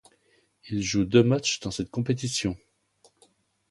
Il joue deux matchs dans cette compétition.